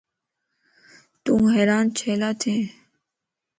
تون حيران ڇيلاٿين؟